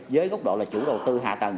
với gốc độ là chủ đầu tư hạ tầng